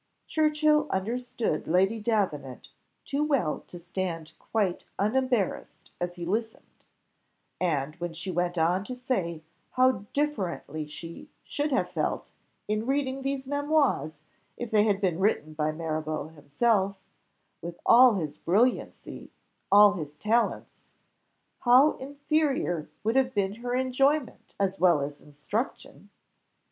Churchill understood Lady Davenant too well to stand quite unembarrassed as he listened; and when she went on to say how differently she should have felt in reading these memoirs if they had been written by Mirabeau himself; with all his brilliancy, all his talents, how inferior would have been her enjoyment as well as instruction!